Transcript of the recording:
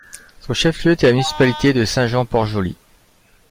Son chef-lieu était la municipalité de Saint-Jean-Port-Joli.